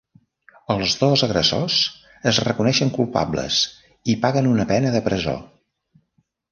Els dos agressors es reconeixen culpables i paguen una pena de presó.